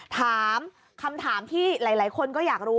ถามคำถามที่หลายคนก็อยากรู้